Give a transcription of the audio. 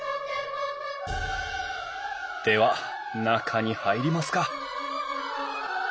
では中に入りますか